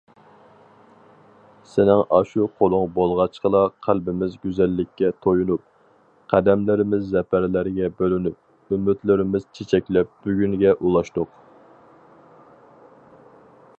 سېنىڭ ئاشۇ قولۇڭ بولغاچقىلا قەلبىمىز گۈزەللىككە تويۇنۇپ، قەدەملىرىمىز زەپەرلەرگە بۆلۈنۈپ، ئۈمىدلىرىمىز چېچەكلەپ بۈگۈنگە ئۇلاشتۇق.